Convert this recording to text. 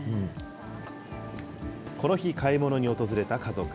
この日、買い物に訪れた家族。